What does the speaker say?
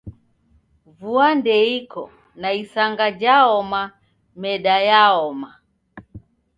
Vua ndeiko na isanga jhaoma, meda yaoma